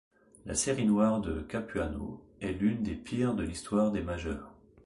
La série noire de Capuano est l'une des pires de l'histoire des majeures.